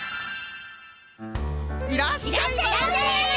いらっしゃいませ！